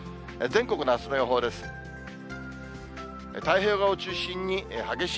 全国のあすの予報です。